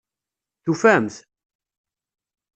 Tufam-t?